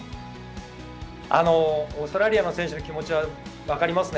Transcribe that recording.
オーストラリアの選手の気持は分かりますね。